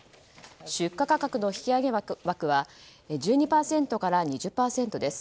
出荷価格の引き上げ枠は１２％から２０％です。